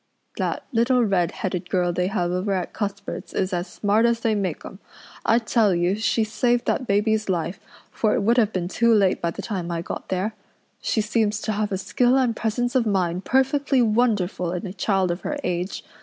"That little redheaded girl they have over at Cuthbert's is as smart as they make 'em. I tell you she saved that baby's life, for it would have been too late by the time I got there. She seems to have a skill and presence of mind perfectly wonderful in a child of her age.